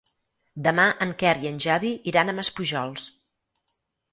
Demà en Quer i en Xavi iran a Maspujols.